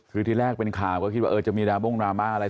คือที่แรกเป็นข่าวก็คิดว่าจะมีราบงดราม่าอะไร